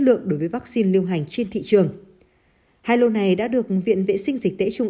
lượng đối với vaccine lưu hành trên thị trường hai lô này đã được viện vệ sinh dịch tễ trung